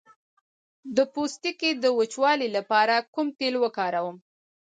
د پوستکي د وچوالي لپاره کوم تېل وکاروم؟